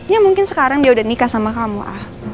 ya mungkin sekarang dia udah nikah sama kamu